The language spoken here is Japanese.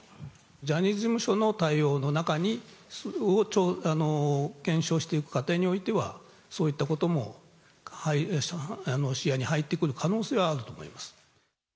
ジャニーズ事務所の対応の中を検証していく過程においては、そういったことも視野に入ってくる可能性はあると思います。